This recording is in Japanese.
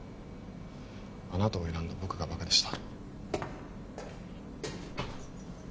あなたを選んだ僕がバカでした